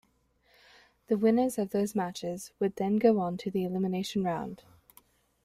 The winners of those matches would then go on to the elimination round.